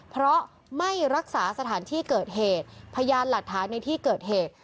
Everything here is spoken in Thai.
เพราะไม่รักษาสถานที่เกิดเหตุพยานหลักฐานในที่เกิดเหตุ